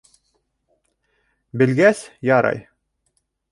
— Белгәс, ярай.